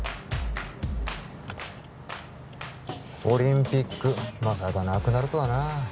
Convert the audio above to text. オリンピックまさかなくなるとはなあ